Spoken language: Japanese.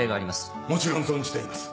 もちろん存じています。